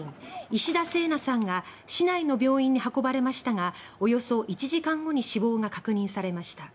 石田聖奈さんが市内の病院に運ばれましたがおよそ１時間後に死亡が確認されました。